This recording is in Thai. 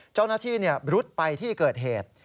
เจ้าหน้าที่รุดไปที่เกิดเหตุ